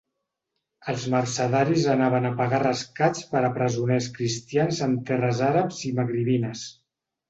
Els mercedaris anaven a pagar rescats per a presoners cristians en terres àrabs i magribines.